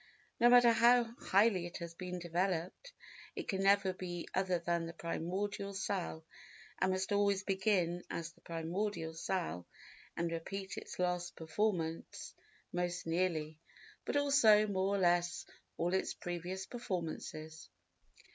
No matter how highly it has been developed, it can never be other than the primordial cell and must always begin as the primordial cell and repeat its last performance most nearly, but also, more or less, all its previous performances.